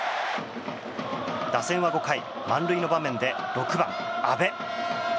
打線は５回満塁の場面で６番、阿部。